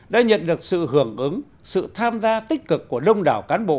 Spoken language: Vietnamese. đã nhận được sự hưởng ứng sự tham gia tích cực của đông đảo cán bộ